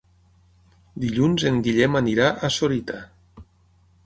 Dilluns en Guillem anirà a Sorita.